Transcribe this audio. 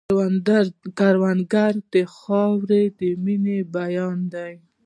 کروندګر د خاورې د مینې بیان دی